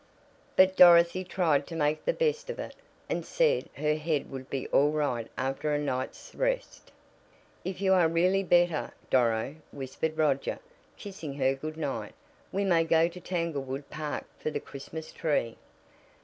But Dorothy tried to make the best of it, and said her head would be all right after a night's rest. "If you are really better, Doro," whispered Roger, kissing her good night, "we may go to Tanglewood Park for the Christmas tree.